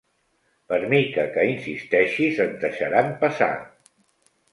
Per mica que hi insisteixis et deixaran passar.